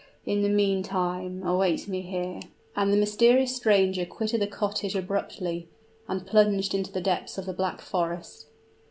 In the meantime, await me here!" And the mysterious stranger quitted the cottage abruptly, and plunged into the depths of the Black Forest.